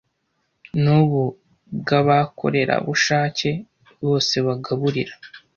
nubuntu bwabakorerabushake bose bagaburira